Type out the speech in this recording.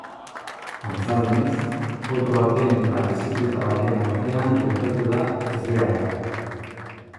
Antza denez, auto baten eta bizikleta baten artean gertatu da ezbeharra.